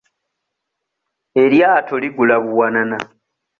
Eryato ligula buwanana.